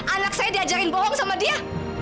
anak saya diajarin bohong sama dia